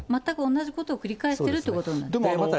全く同じことを繰り返しているということなんですよね。